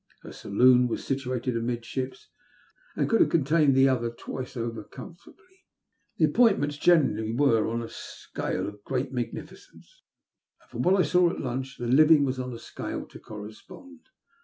Her saloon was situated amidships, and could have contained the other twice over com fortably. The appointments generally were on a scale of great magnificence ; and, from what I saw WB ARE SAYBS. 209 at lunch, the living was on a scale to correspond.